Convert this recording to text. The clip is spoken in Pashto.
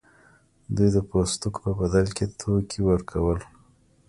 دوی د پوستکو په بدل کې توکي ورکول.